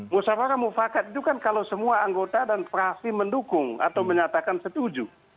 musyawarah mufakat itu kan kalau semua anggota dan fraksi mendukung atau menyatakan setuju